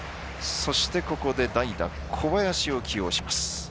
そして、ここで代打小林を起用します。